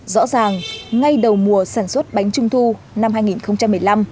rõ ràng ngay đầu mùa sản xuất bánh trung thu năm hai nghìn một mươi năm